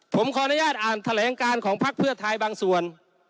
ผมขออนุญาตอ่านแถลงการของพักเพื่อไทยบางส่วน